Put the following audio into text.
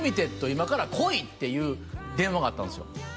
今から来いっていう電話があったんですよ